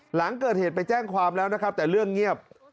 หลังเกิดเหตุไปแจ้งความแล้วนะครับแต่เรื่องเงียบ